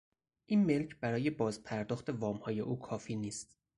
این ملک برای بازپرداخت وامهای او کافی نیست.